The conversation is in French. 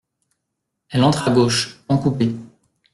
Elle entre à gauche, pan coupé.